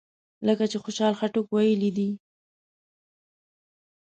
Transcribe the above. لکه چې خوشحال خټک ویلي دي.